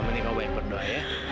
mending kamu banyak berdoa ya